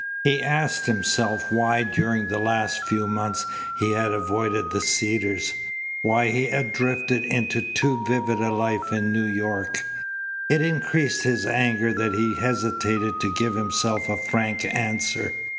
He asked himself why during the last few months he had avoided the Cedars, why he had drifted into too vivid a life in New York. It increased his anger that he hesitated to give himself a frank answer.